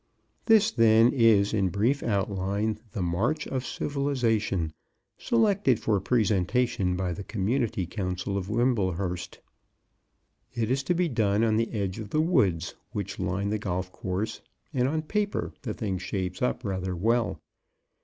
This, then, is in brief outline, "The March of Civilization," selected for presentation by the Community Council of Wimblehurst. It is to be done on the edge of the woods which line the golf course, and on paper, the thing shapes up rather well.